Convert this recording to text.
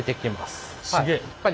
すげえ。